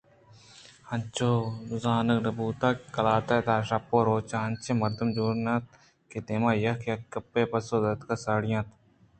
انچوش زانگ بوت کہ قلات ءِ تہا شپ ءُروچ انچائیں مردم چاڑ کہ انت کہ دمان ءَ یک یک گپے ءِ پسو دیگ ءَ ساڑی اَنت